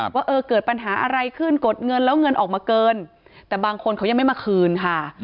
ว่าเออเกิดปัญหาอะไรขึ้นกดเงินแล้วเงินออกมาเกินแต่บางคนเขายังไม่มาคืนค่ะ